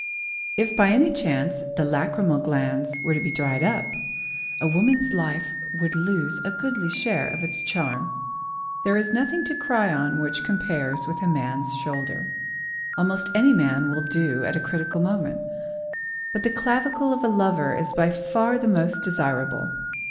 If by any chance the lachrymal glands were to be dried up, woman's life would lose a goodly share of its charm. There is nothing to cry on which compares with a man's shoulder; almost any man will do at a critical moment; but the clavicle of a lover is by far the most desirable.